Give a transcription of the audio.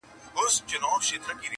ژونده راسه څو د میني ترانې سه,